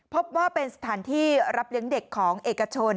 พบว่าเป็นสถานที่รับเลี้ยงเด็กของเอกชน